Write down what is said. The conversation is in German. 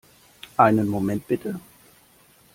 Einen Moment, bitte.